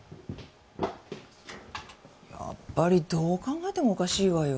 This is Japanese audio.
やっぱりどう考えてもおかしいわよ。